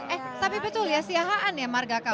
eh tapi betul ya siahaan ya marga kau